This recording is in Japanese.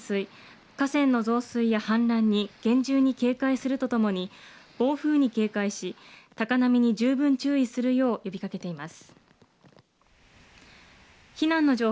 気象台は、土砂災害、低い土地の浸水、河川の増水や氾濫に厳重に警戒するとともに、暴風に警戒し、高波に十分注意するよう呼びかけています。